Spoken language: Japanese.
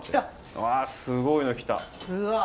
うわすごいの来た！